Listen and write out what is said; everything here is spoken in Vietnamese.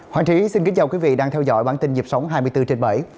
hoàng trí xin kính chào quý vị đang theo dõi bản tin nhịp sống hai mươi bốn trên bảy